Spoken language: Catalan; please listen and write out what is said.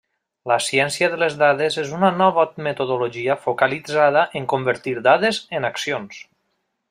La ciència de les dades és una nova metodologia focalitzada en convertir dades en accions.